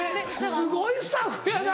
すごいスタッフやな。